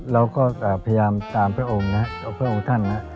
เราก็พยายามตามพระองค์ท่านนะ